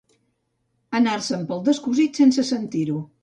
Anar-se'n pel descosit sense sentir-ho.